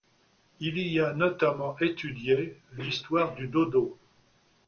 Il y a notamment étudié l'histoire du Dodo.